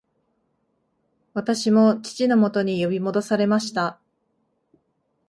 私も父のもとに呼び戻されました